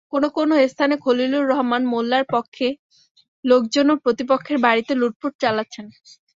কোনো কোনো স্থানে খলিলুর রহমান মোল্লার পক্ষের লোকজনও প্রতিপক্ষের বাড়িতে লুটপাট চালাচ্ছেন।